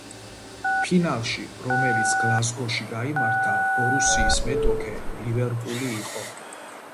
ფინალში, რომელიც გლაზგოში გაიმართა „ბორუსიის“ მეტოქე „ლივერპული“ იყო.